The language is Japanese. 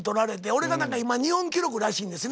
俺が何か今日本記録らしいんですね。